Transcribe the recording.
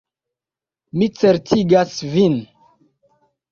Mi certigas vin.